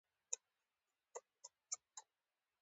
د ایران کانونه ډیر بډایه دي.